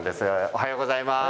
おはようございます。